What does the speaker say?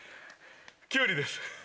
キュウリです。